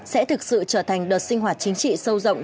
sẽ thực sự trở thành đợt sinh hoạt chính trị sâu rộng